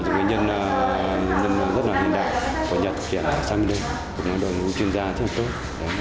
nhân rất hiện đại của nhật hiện tại sáu mươi đêm đội ngũ chuyên gia rất tốt